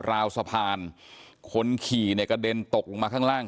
ราวสะพานคนขี่เนี่ยกระเด็นตกลงมาข้างล่าง